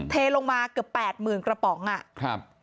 เทลงมาเกือบ๘๐๐๐๐กระป๋องครับ